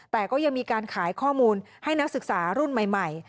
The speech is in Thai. แต่ก็ยังมีการขายข้อมูลให้นักศึกษารุ่นใหม่